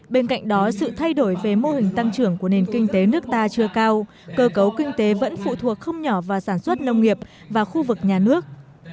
bên cạnh đó sự thay đổi về mô hình tăng trưởng của nền kinh tế nước ta chưa cao cơ cấu kinh tế vẫn phụ thuộc không nhỏ vào sản xuất nông nghiệp và khu vực nhà nước